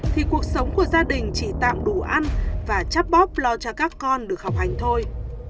thì cuộc sống của gia đình chỉ tạm đủ ăn và chắt bóp lo cho các con được học hành thôi